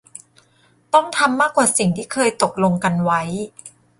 ต้องทำมากกว่าสิ่งที่เคยตกลงกันไว้